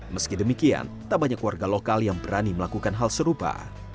meski demikian tak banyak warga lokal yang berani melakukan hal serupa